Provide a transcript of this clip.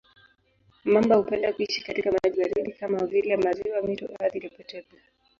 Mamba hupenda kuishi katika maji baridi kama vile maziwa, mito, ardhi tepe-tepe.